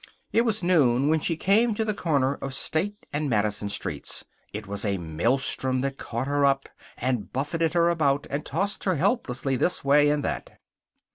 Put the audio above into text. It was noon when she came to the corner of State and Madison Streets. It was a maelstrom that caught her up, and buffeted her about, and tossed her helplessly this way and that.